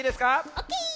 オーケー！